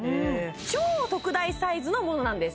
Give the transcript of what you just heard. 超特大サイズのものなんです